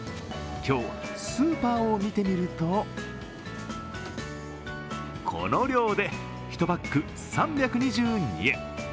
今日、スーパーを見てみるとこの量で１パック３２２円。